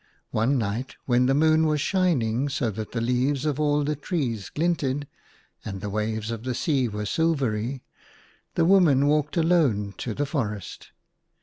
One night when the moon was shining so that the leaves of all the trees glinted, and the waves of the sea were silvery, the woman walked alone to the forest.